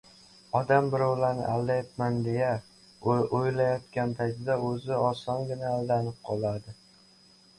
Odam birovlarni aldayapman, deya o‘ylayotgan paytida o‘zi osongina aldanib qoladi.